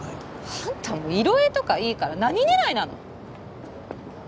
あんたも色営とかいいから何狙いなの？